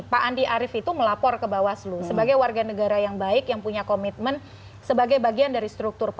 pak andi arief itu melapor ke bawaslu sebagai warga negara yang baik yang punya komitmen sebagai bagian dari struktur partai